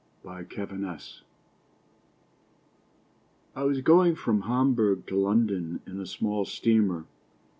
ON THE SEA I WAS going from Hamburg to London in a small steamer.